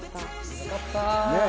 よかった。